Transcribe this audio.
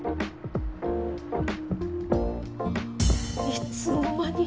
いつの間に！